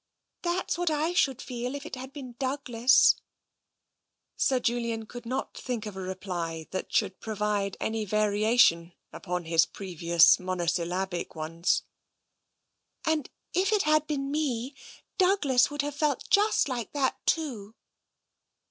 " That's what I should feel if it had been Douglas." Sir Julian could not think of a reply that should pro vide any variation upon his previous monosyllabic ones. And if it had been me, Douglas would have felt just like that, too."